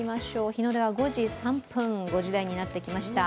日の出は５時３分、５時台になってきました。